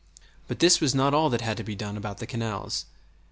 But this was not all that had to be done about the canals.